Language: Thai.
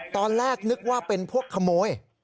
ตอนแรกนึกว่าเป็นพวกขโมย